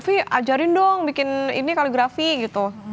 alvi ajarin dong bikin ini kaligrafi